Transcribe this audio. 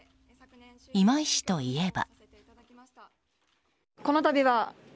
今井氏といえば。